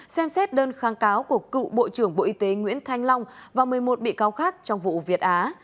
xem xét đơn kháng cáo của cựu bộ trưởng bộ y tế nguyễn thanh long và một mươi một bị cáo khác trong vụ việt á